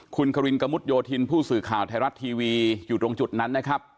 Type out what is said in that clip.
คุณครินกระมุดโยธินผู้สื่อข่าวไทยรัฐทีวีอยู่ตรงจุดนั้นนะครับ